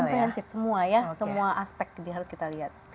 dan komprehensif semua ya semua aspek harus kita lihat